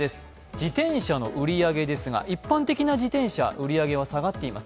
自転車の売り上げですが一般的な自転車、売り上げは下がっています。